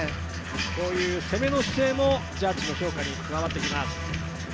こういう攻めの姿勢も、ジャッジの評価に加わってきます。